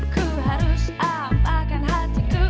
kuharus apakan hatiku